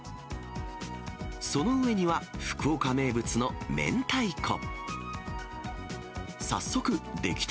その上には、福岡名物の明太子。